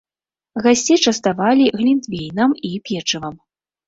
Гасцей частавалі глінтвейнам і печывам.